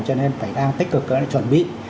cho nên phải đang tích cực chuẩn bị